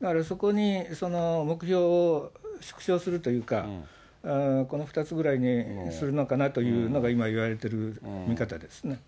だからそこに目標を縮小するというか、この２つぐらいにするのかなというのが、今言われてる見方ですね。